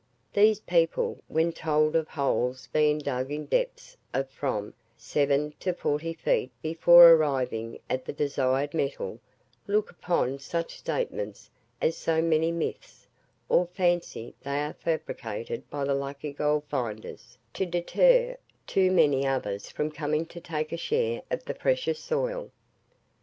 These people, when told of holes being dug in depths of from seven to forty feet before arriving at the desired metal, look upon such statements as so many myths, or fancy they are fabricated by the lucky gold finders to deter too many others from coming to take a share of the precious spoil.